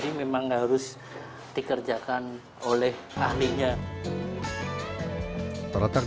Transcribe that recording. ingin bisa lewat flaw di tangan untuk mem fondo kulit lumpia dan dayslak dan shayong